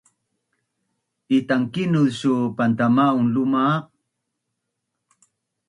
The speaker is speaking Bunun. Itankinuz suu pantamaun lumaq?